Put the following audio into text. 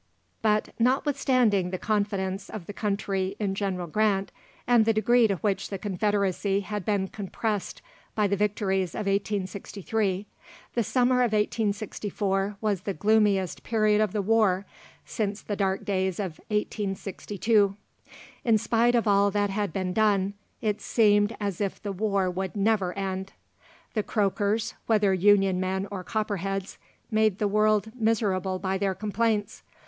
] But, notwithstanding the confidence of the country in General Grant, and the degree to which the Confederacy had been compressed by the victories of 1863, the summer of 1864 was the gloomiest period of the war since the dark days of 1862. In spite of all that had been done, it seemed as if the war would never end. The Croakers, whether Union men or Copperheads, made the world miserable by their complaints.